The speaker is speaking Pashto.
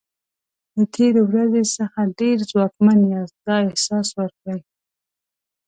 د تېرې ورځې څخه ډېر ځواکمن یاست دا احساس ورکړئ.